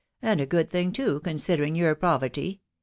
and a good thing too, considering your poverty.